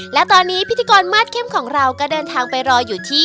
และตอนนี้พิธีกรมาสเข้มของเราก็เดินทางไปรออยู่ที่